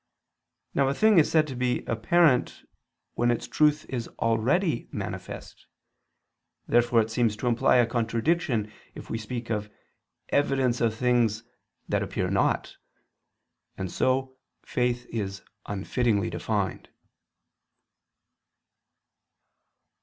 Now a thing is said to be apparent when its truth is already manifest. Therefore it seems to imply a contradiction to speak of "evidence of things that appear not": and so faith is unfittingly defined.